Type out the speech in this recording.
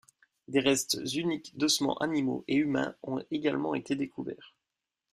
Des restes uniques d'ossements animaux et humains ont également été découverts.